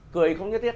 cười không nhất thiết